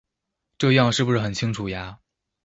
這樣是不是很清楚呀？